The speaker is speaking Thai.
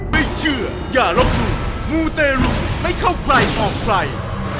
ไม่เชื่ออย่าลบหลู่มูเตรุไม่เข้าใครออกใคร